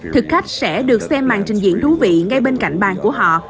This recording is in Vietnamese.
thực khách sẽ được xem màn trình diễn thú vị ngay bên cạnh bàn của họ